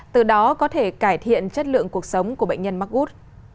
từ đó có thể cải thiện chất lượng cuộc sống của bệnh nhân mắc gút